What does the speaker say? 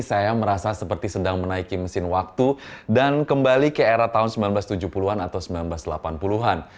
saya merasa seperti sedang menaiki mesin waktu dan kembali ke era tahun seribu sembilan ratus tujuh puluh an atau seribu sembilan ratus delapan puluh an